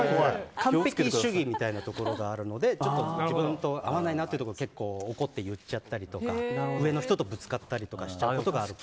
完璧主義みたいなところがあるので自分と合わないなっていうと結構怒って言っちゃったりとか上の人とぶつかったりしちゃうところがある。